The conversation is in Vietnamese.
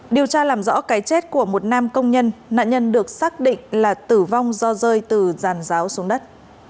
điều tra làm rõ cái chết của một nam công nhân nạn nhân được xác định là tử vong do rơi từ giàn giáo xuống đất